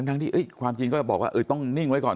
ทั้งที่ความจริงก็จะบอกว่าต้องนิ่งไว้ก่อน